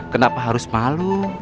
kenapa harus malu